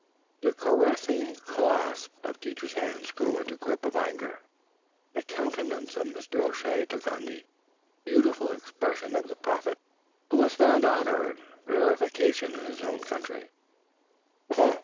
The caressing clasp of Teacher's hands grew into a grip of anger. The countenance of Mr. O'Shea took on the beautiful expression of the prophet who has found honor and verification in his own country.